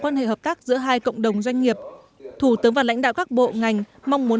quan hệ hợp tác giữa hai cộng đồng doanh nghiệp thủ tướng và lãnh đạo các bộ ngành mong muốn